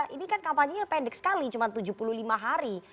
ini kan kampanyenya pendek sekali cuma tujuh puluh lima hari